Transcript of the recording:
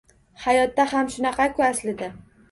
Hayotda ham shunaqa-ku aslida.